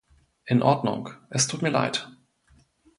In Ordnung, es tut mir leid.